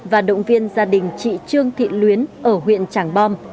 và động viên gia đình chị trương thị luyến ở huyện tràng bom